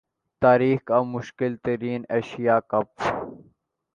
تاریخ کا مشکل ترین ایشیا کپ